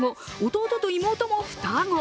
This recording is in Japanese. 弟と妹も双子！